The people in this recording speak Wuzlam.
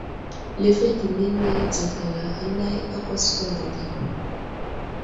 Lefetenene tsakala anay a kwaskwa ge daw.